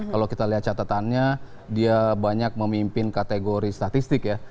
kalau kita lihat catatannya dia banyak memimpin kategori statistik ya